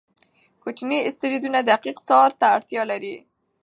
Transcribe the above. کوچني اسټروېډونه دقیق څار ته اړتیا لري.